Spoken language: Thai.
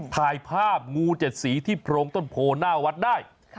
ถ่ายภาพงูเจ็ดสีที่โพรงต้นโพหน้าวัดได้